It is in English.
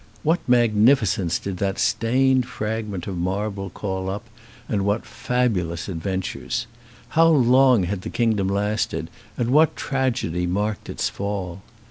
What mag nificence did that stained fragment of marble call up and what fabulous adventures ! How long had the kingdom lasted and what tragedy marked its fall?